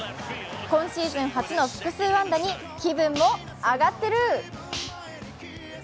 今シーズン初の複数安打に気分も上がってる。